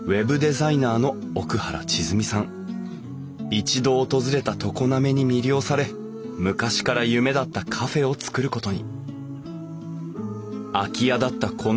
一度訪れた常滑に魅了され昔から夢だったカフェを作ることに。